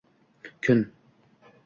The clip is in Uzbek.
Kun